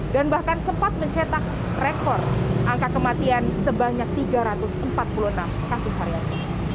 dan bahkan sempat mencetak rekor angka kematian sebanyak tiga ratus empat puluh enam kasus harian